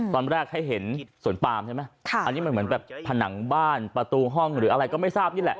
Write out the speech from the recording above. ตอนแรกให้เห็นสวนปามใช่ไหมอันนี้มันเหมือนแบบผนังบ้านประตูห้องหรืออะไรก็ไม่ทราบนี่แหละ